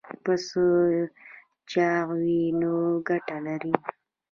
پسه چاغ وي نو ګټه لري.